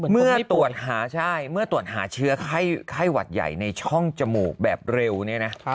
เมื่อตรวจหาเชื้อไข้หวัดใหญ่ในช่องจมูกแบบเร็วนี้นะ